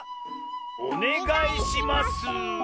おねがいします。